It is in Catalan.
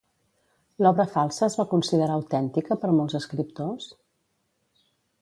L'obra falsa es va considerar autèntica per molts escriptors?